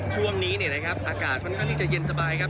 ช่วงนี้เนี่ยนะครับอากาศค่อนข้างที่จะเย็นสบายครับ